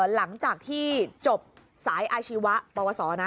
หลังจากที่จบสายอาชีวะปวสอนะ